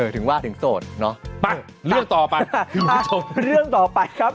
ถึงว่าถึงโสดเนอะเรื่องต่อไป